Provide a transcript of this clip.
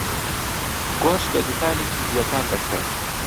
گۆشت لە دوکانێکی جووەکان دەکڕێت.